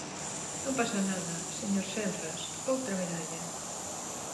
Non pasa nada, señor Senras, outra medalla.